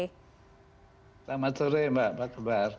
selamat sore mbak pak soebar